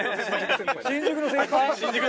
新宿の先輩？